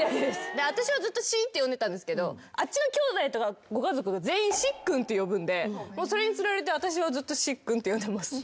私はずっと「し」って呼んでたんですけどあっちのきょうだいとかご家族が全員「しっくん」って呼ぶんでそれに釣られて私はずっと「しっくん」って呼んでます。